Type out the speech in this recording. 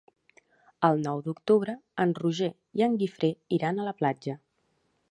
El nou d'octubre en Roger i en Guifré iran a la platja.